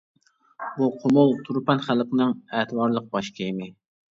بۇ قۇمۇل، تۇرپان خەلقىنىڭ ئەتىۋارلىق باش كىيىمى.